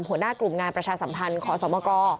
ทางกลุ่มงานประชาสัมพันธ์ขอสอบมก